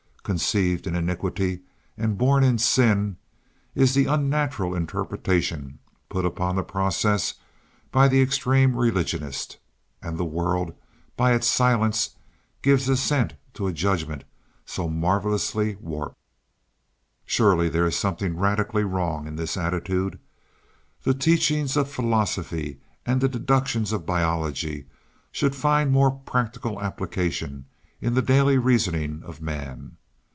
"Conceived in iniquity and born in sin," is the unnatural interpretation put upon the process by the extreme religionist, and the world, by its silence, gives assent to a judgment so marvelously warped. Surely there is something radically wrong in this attitude. The teachings of philosophy and the deductions of biology should find more practical application in the daily reasoning of man.